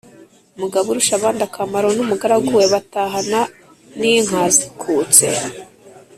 mugaburushabandakamaro n’ umugaragu we batahana n’ inka zikutse,